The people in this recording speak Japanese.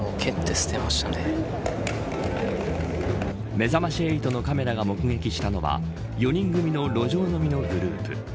めざまし８のカメラが目撃したのは４人組の路上飲みのグループ。